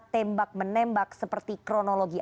tembak menembak seperti kronologi